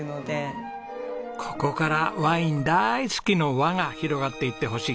ここからワイン大好きの輪が広がっていってほしい。